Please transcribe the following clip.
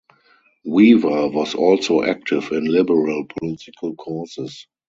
Weaver was also active in liberal political causes.